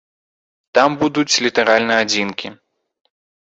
Там будуць літаральна адзінкі.